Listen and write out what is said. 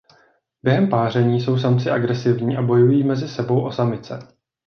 Během páření jsou samci agresivní a bojují mezi sebou o samice.